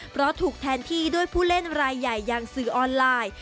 เพราะถูกแทนที่ด้วยผู้เล่นรายใหญ่อย่างสื่อออนไลน์